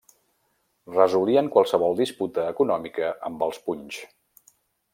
Resolien qualsevol disputa econòmica amb els punys.